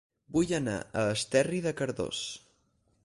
Vull anar a Esterri de Cardós